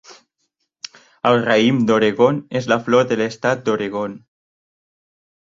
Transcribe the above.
El raïm d'Oregon és la flor de l'estat d'Oregon.